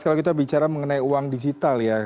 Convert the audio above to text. kalau kita bicara mengenai uang digital ya